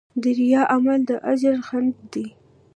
د ریا عمل د اجر خنډ دی.